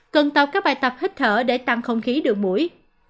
cần tập các bài tập hít thở để tăng không khí đường mũi